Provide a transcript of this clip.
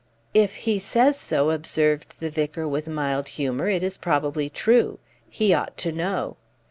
"If he says so," observed the vicar, with mild humor, "it is probably true. He ought to know."